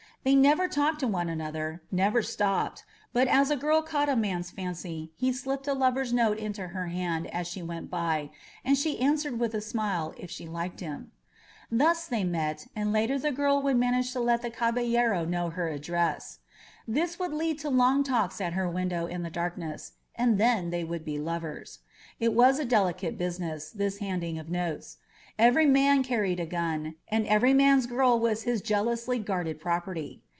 They never talked to one another, never stopped; but as a girl caught a man's fancy, he sbpped a lover's note into her hand as she went by, and she answered With a smile if she liked him. Thus they met, and later the girl would manage to let the cahaUero know her address; this would lead to long talks at her window in the darkness, and then they would be lovers. It was a delicate business, this handing of notes. Every man carried a gun, and every man's girl was his jealously guarded property.